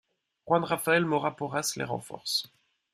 Juan Rafael Mora Porras les renforce.